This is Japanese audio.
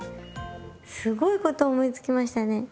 すごいことを思いつきましたね。